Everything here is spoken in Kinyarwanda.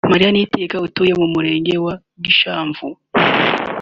Mariane Niyitegeka utuye mu murenge wa Gishamvu